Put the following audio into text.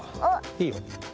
いいよ。